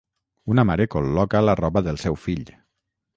Una mare col·loca la roba del seu fill.